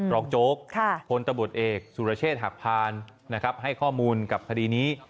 รองโจ๊กคนตะบดเอกสุรเชษฐ์หักพานนะครับให้ข้อมูลกับทดีนี้